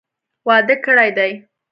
واده کړي دي.